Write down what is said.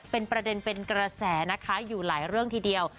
เป็นประเด็นเป็นกระแสนะคะอยู่หลายเรื่องทีเดียว